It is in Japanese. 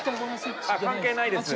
あっ関係ないです。